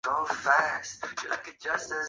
他打击和投球两项皆使用右手。